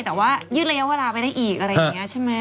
แต่ว่ายืดระยะเวลาไปได้อีกอะไรอย่างนี้ใช่ไหม